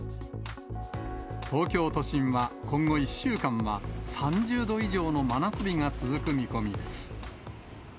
東京都心は今後１週間は、３０度以上の真夏日が続く見込みです。